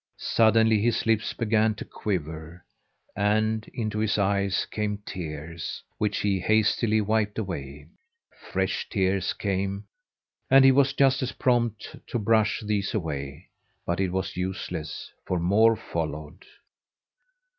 Suddenly his lips began to quiver and into his eyes came tears, which he hastily wiped away. Fresh tears came, and he was just as prompt to brush these away; but it was useless, for more followed.